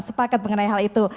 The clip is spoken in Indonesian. sepakat mengenai hal itu